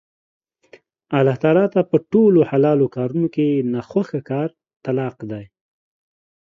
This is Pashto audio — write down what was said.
الله تعالی ته په ټولو حلالو کارونو کې نا خوښه کار طلاق دی